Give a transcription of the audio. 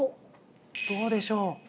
どうでしょう？